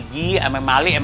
sih lupa si tarm